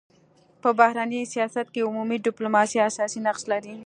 په بهرني سیاست کي عمومي ډيپلوماسي اساسي نقش لري.